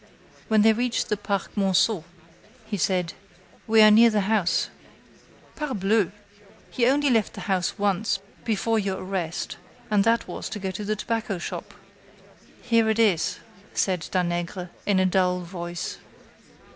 When they reached the Parc Monceau, he said: "We are near the house." "Parbleu! You only left the house once, before your arrest, and that was to go to the tobacco shop." "Here it is," said Danègre, in a dull voice.